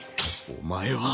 お前は。